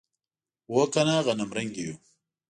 هو کنه غنمرنګي یو.